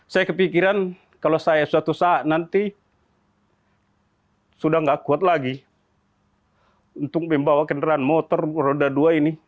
saya kepikiran kalau saya suatu saat nanti sudah tidak kuat lagi untuk membawa kendaraan motor roda dua ini